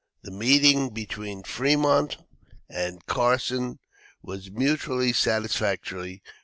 The meeting between Fremont and Carson was mutually satisfactory.